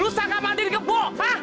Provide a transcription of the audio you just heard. lu sangka mandiri keboh